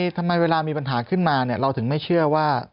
ทำไมเวลามีปัญหาขึ้นมาเราถึงไม่เชื่อว่า